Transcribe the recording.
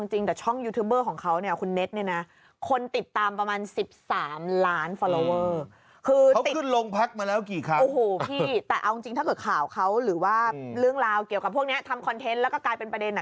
หรือว่าเรื่องราวเกี่ยวกับพวกเนี้ยทำคอนเทนต์แล้วก็กลายเป็นประเด็นอ่ะ